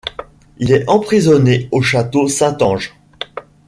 Il est emprisonné au château Saint-Ange.